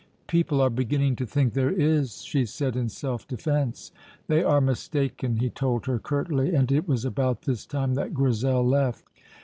"People are beginning to think there is," she said in self defence. "They are mistaken," he told her curtly, and it was about this time that Grizel left.